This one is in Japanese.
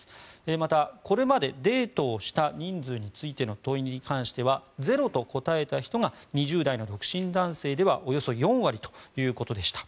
また、これまでデートをした人数についての問いに関してはゼロと答えた人が２０代の独身男性ではおよそ４割ということでした。